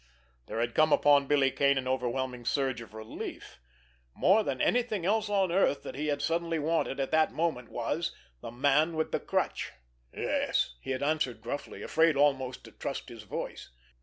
There had come upon Billy Kane an overwhelming surge of relief. More than anything else on earth that he had suddenly wanted at that moment was—the Man with the Crutch. "Yes!" he had answered gruffly, afraid almost to trust his voice.